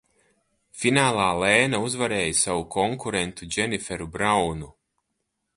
Finālā Lēna uzvarēja savu konkurentu Dženiferu Braunu.